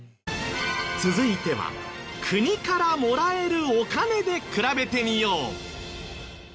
続いては国からもらえるお金で比べてみよう。